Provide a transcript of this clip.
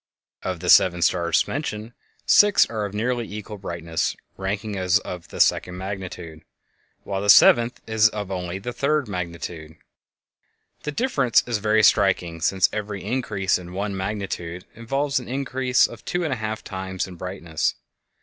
Of the seven stars mentioned, six are of nearly equal brightness, ranking as of the second magnitude, while the seventh is of only the third magnitude. The difference is very striking, since every increase of one magnitude involves an increase of two and a half times in brightness.